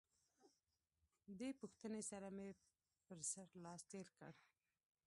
دې پوښتنې سره مې پر څټ لاس تېر کړ.